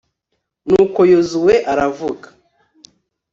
nuko yozuwe aravuga